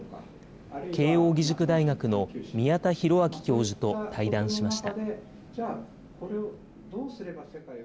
慶應義塾大学の宮田裕章教授と対談しました。